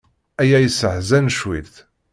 Aya yesseḥzan cwiṭ.